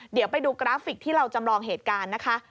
เดี๋ยวไปดูกราฟิกที่เราจำลองเหตุการณ์นะคะ